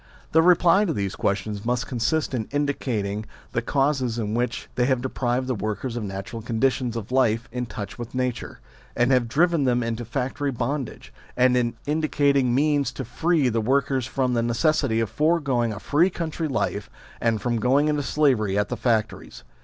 The reply to these questions must consist in indicating the causes which have deprived the workers of natural conditions of life in touch with nature, and have driven them into factory bondage ; and in indicating means to free the workers from the necessity of foregoing a free country life, and from going into slavery at the factories.